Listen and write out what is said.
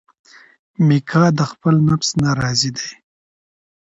میکا د خپل نفس نه راضي دی.